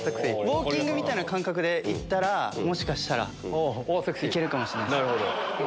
ウオーキングみたいな感覚でいったらもしかしたらいけるかもしれないですね。